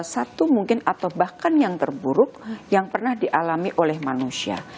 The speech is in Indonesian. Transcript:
satu mungkin atau bahkan yang terburuk yang pernah dialami oleh manusia